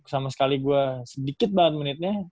sama sekali gue sedikit banget menitnya